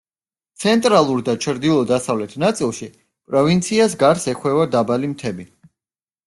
ცენტრალურ და ჩრდილო-დასავლეთ ნაწილში, პროვინციას გარს ეხვევა დაბალი მთები.